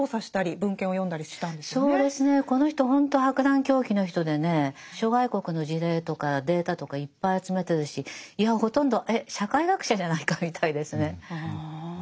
博覧強記の人でね諸外国の事例とかデータとかいっぱい集めてるしいやほとんどえ社会学者じゃないかみたいですね。